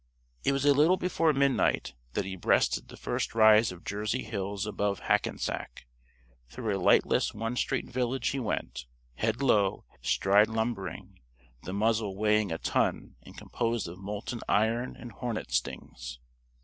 It was a little before midnight that he breasted the first rise of Jersey hills above Hackensack. Through a lightless one street village he went, head low, stride lumbering, the muzzle weighing a ton and composed of molten iron and hornet stings.